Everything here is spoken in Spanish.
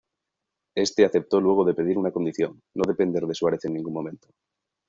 Éste aceptó luego de pedir una condición: no depender de Suárez en ningún momento.